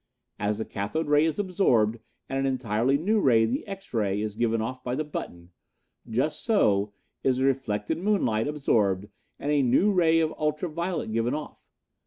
As the cathode ray is absorbed and an entirely new ray, the X ray, is given off by the button, just so is the reflected moonlight absorbed and a new ray of ultra violet given off.